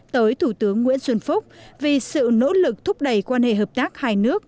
tới thủ tướng nguyễn xuân phúc vì sự nỗ lực thúc đẩy quan hệ hợp tác hai nước